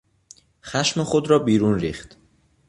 خشم خود را بیرون ریخت.